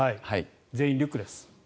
全員リュックです。